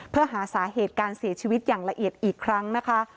เพื่อหาสาเหตุการเสียชีวิตอย่างละเอียดอีกครั้งนะคะ